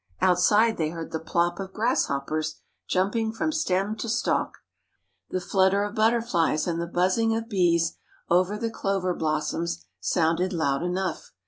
Outside they heard the plop of grasshoppers jumping from stem to stalk. The flutter of butterflies and the buzzing of bees over the clover blossoms sounded loud enough.